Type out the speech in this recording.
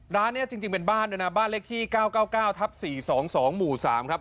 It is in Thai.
ร้านนี้จริงเป็นบ้านด้วยนะบ้านเลขที่๙๙๙ทับ๔๒๒หมู่๓ครับ